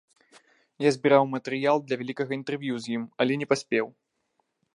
Я збіраў матэрыял для вялікага інтэрв'ю з ім, але не паспеў.